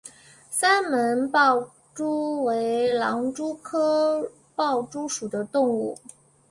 三门豹蛛为狼蛛科豹蛛属的动物。